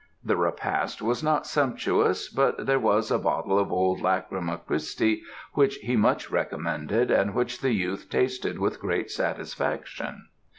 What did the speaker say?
The repast was not sumptuous, but there was a bottle of old Lacryma Christi which he much recommended, and which the youth tasted with great satisfaction.